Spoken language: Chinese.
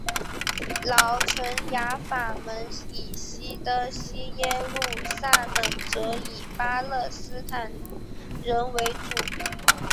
老城雅法门以西的西耶路撒冷则以巴勒斯坦人为主。